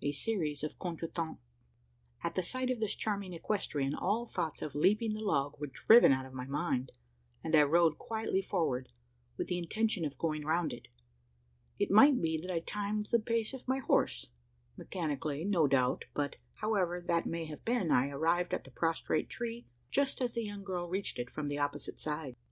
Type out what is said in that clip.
A SERIES OF CONTRE TEMPS. At sight of this charming equestrian, all thoughts of leaping the log were driven out of my mind; and I rode quietly forward, with the intention of going round it. It might be that I timed the pace of my horse mechanically, no doubt but however that may have been, I arrived at the prostrate tree, just as the young girl reached it from the opposite side.